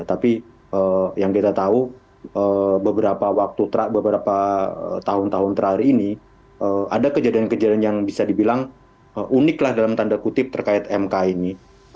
tapi yang kita tahu beberapa waktu beberapa tahun tahun terakhir ini ada kejadian kejadian yang bisa dibilang unik lah dalam tanda kutip terkait mk ini